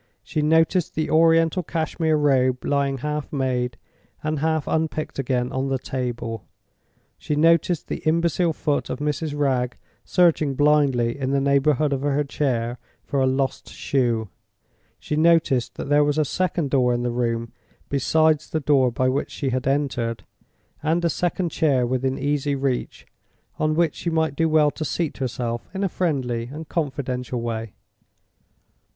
She noticed the Oriental Cashmere Robe lying half made, and half unpicked again, on the table; she noticed the imbecile foot of Mrs. Wragge searching blindly in the neighborhood of her chair for a lost shoe; she noticed that there was a second door in the room besides the door by which she had entered, and a second chair within easy reach, on which she might do well to seat herself in a friendly and confidential way.